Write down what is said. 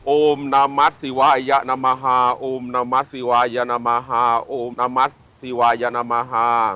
โอมนามัสสิวายนมหาโอมนามัสสิวายนมหาโอมนามัสสิวายนมหา